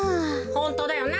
ホントだよな。